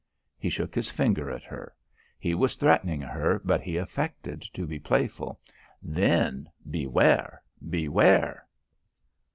He shook his finger at her. He was threatening her but he affected to be playful. "Then beware! Beware!"